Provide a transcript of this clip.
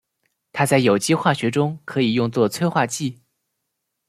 它在有机化学中可以用作催化剂。